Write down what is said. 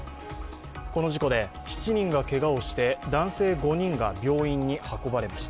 この事故で７人がけがをして男性５人が病院に運ばれました。